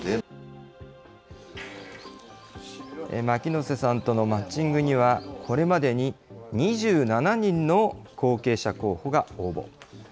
牧之瀬さんとのマッチングには、これまでに２７人の後継者候補が応募。